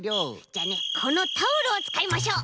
じゃあねこのタオルをつかいましょう。